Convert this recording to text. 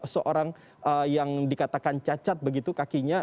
seorang yang dikatakan cacat begitu kakinya